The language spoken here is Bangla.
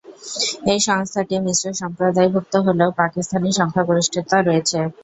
এই সংস্থাটি মিশ্র সম্প্রদায়ভুক্ত হলেও পাকিস্তানি সংখ্যাগরিষ্ঠতা রয়েছে।